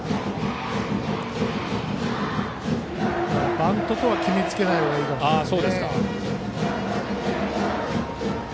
バントとは決め付けない方がいいかもしれないです。